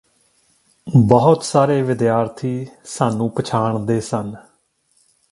ਬਹੁਤ ਸਾਰੇ ਵਿਦਿਆਰਥੀ ਸਾਨੂੰ ਪਛਾਣਦੇ ਸਨ